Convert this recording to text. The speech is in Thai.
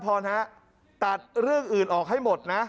ขอบคุณครับ